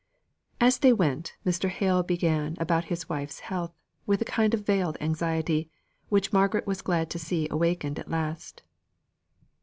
As they went, Mr. Hale began about his wife's health, with a kind of veiled anxiety, which Margaret was glad to see awakened at last.